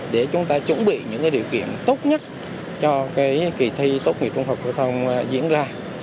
để chúng ta chuẩn bị những điều kiện tốt nhất cho kỳ thi tốt nghiệp trung học phổ thông diễn ra